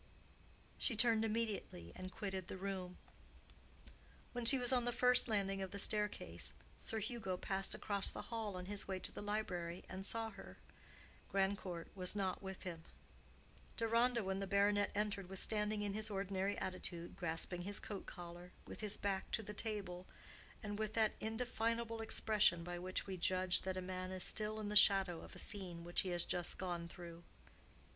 She turned immediately, and quitted the room. When she was on the first landing of the staircase, Sir Hugo passed across the hall on his way to the library, and saw her. Grandcourt was not with him. Deronda, when the baronet entered, was standing in his ordinary attitude, grasping his coat collar, with his back to the table, and with that indefinable expression by which we judge that a man is still in the shadow of a scene which he has just gone through.